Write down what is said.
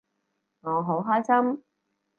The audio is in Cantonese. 我好開心